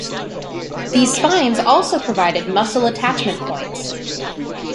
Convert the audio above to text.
These spines also provided muscle attachment points.